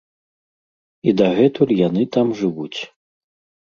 І дагэтуль яны там жывуць.